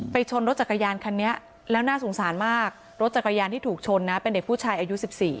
ชนรถจักรยานคันนี้แล้วน่าสงสารมากรถจักรยานที่ถูกชนนะเป็นเด็กผู้ชายอายุ๑๔